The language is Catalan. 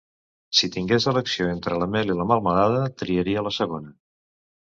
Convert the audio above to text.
Si tingués elecció entre la mel i la melmelada, triaria la segona.